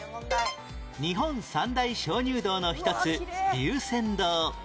日本三大鍾乳洞の一つ龍泉洞